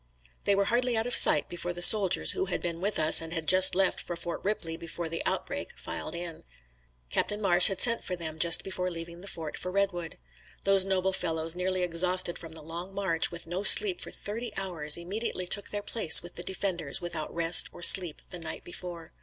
They were hardly out of sight before the soldiers who had been with us and had just left for Fort Ripley before the outbreak, filed in. Captain Marsh had sent for them just before leaving the fort for Redwood. Those noble fellows, nearly exhausted from the long march, with no sleep for thirty hours, immediately took their places with the defenders, without rest or sleep the night before.